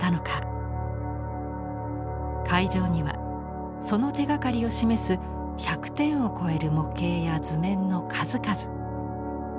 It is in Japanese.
会場にはその手がかりを示す１００点を超える模型や図面の数々。